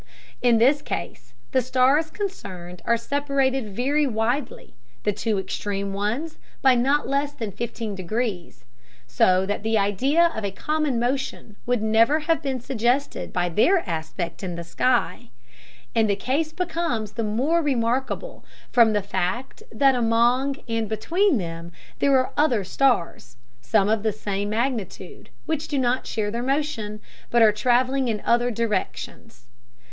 In this case the stars concerned are separated very widely, the two extreme ones by not less than fifteen degrees, so that the idea of a common motion would never have been suggested by their aspect in the sky; and the case becomes the more remarkable from the fact that among and between them there are other stars, some of the same magnitude, which do not share their motion, but are traveling in other directions.